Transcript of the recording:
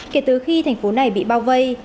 kể từ khi thành phố này bị bao vây